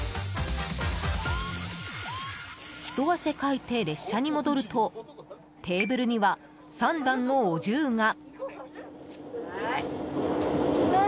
ひと汗かいて列車に戻るとテーブルには三段のお重が。